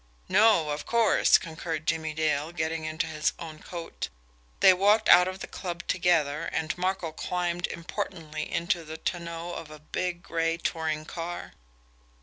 "No, of course," concurred Jimmie Dale, getting into his own coat. They walked out of the club together, and Markel climbed importantly into the tonneau of a big gray touring car.